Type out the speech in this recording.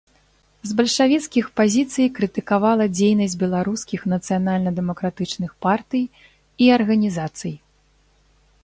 З бальшавіцкіх пазіцый крытыкавала дзейнасць беларускіх нацыянальна-дэмакратычных партый і арганізацый.